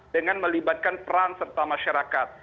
dengan melibatkan peran serta masyarakat